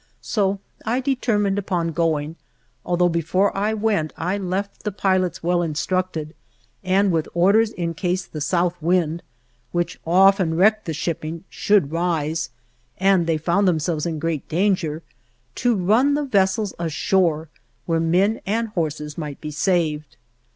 So I determined upon go ing, although before I went I left the pilots well instructed and with orders in case the south wind (which often wrecked the ship ping) should rise, and they found them selves in great danger, to run the vessels ashore, when men and horses might be saved.